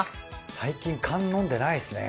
最近燗飲んでないですね。